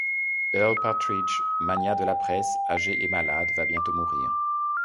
Earl Partridge, magnat de la presse, âgé et malade, va bientôt mourir.